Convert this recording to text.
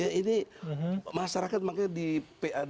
ya ini masyarakat makanya di pa dua puluh satu